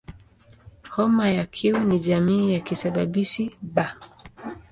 Homa ya Q ni jamii ya kisababishi "B".